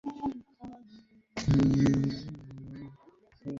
যুক্তরাজ্যের পররাষ্ট্রমন্ত্রী Boris Johnson বলেছেন, যুক্তরাষ্ট্র ভুল সময়ে ভুল কার্ড খেলেছে।